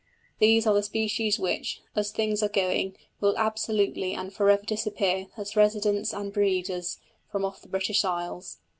These are the species which, as things are going, will absolutely and for ever disappear, as residents and breeders, from off the British Islands.